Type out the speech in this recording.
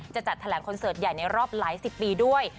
จะจัดแถลงคอนเสิร์ตใหญ่ในรอบหลายสิบปีด้วย